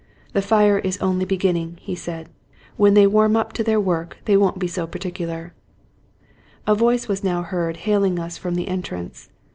" The fire is only beginning," said he. " When they warm up to their work, they won't be so particular." A voice was now heard hailing us from the entrance.